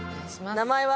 名前は。